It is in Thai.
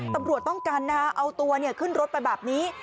ตำรวจต้องกันเอาตัวขึ้นรถไปแบบนี้